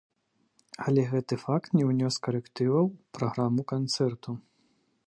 Але гэты факт не ўнёс карэктываў у праграму канцэрту.